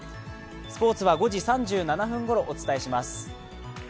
スポーツは５時３７分ごろお伝えします。